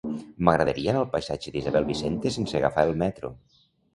M'agradaria anar al passatge d'Isabel Vicente sense agafar el metro.